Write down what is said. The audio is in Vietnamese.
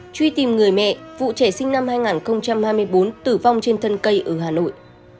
truy tìm người mẹ vụ trẻ sinh năm hai nghìn hai mươi bốn tử vong trên thân cây ở hà nội